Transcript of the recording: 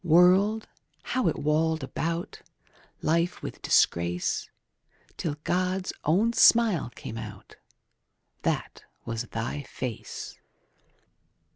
World how it walled about Life with disgrace 10 Till God's own smile came out: That was thy face!